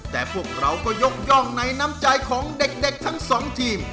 แต่พวกเราก็ยกย่องในน้ำใจของเด็กทั้งสองทีม